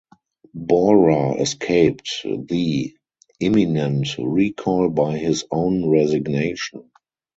Borer escaped the imminent recall by his own resignation.